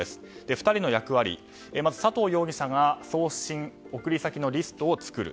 ２人の役割ですがまず佐藤容疑者が送り先のリストを作る。